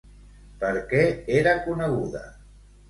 Per què era coneguda?